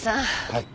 はい。